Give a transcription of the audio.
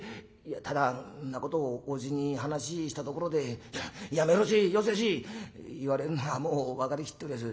ただんなことをおじに話したところで『やめろせよせし』言われんのはもう分かりきっておりやす。